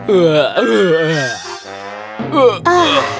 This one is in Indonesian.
mereka tidak mencoba untuk mencoba